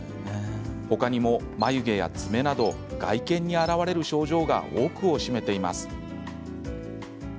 他にも、眉毛や爪など外見に現れる症状が多くを占めています。